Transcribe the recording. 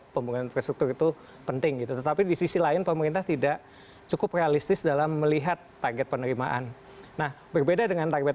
pemerintahan joko widodo